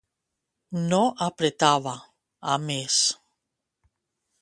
No apretava, a més.